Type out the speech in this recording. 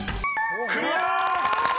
［クリア！］